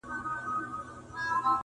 د چینجیو په څېر یو په بل لګېږي!!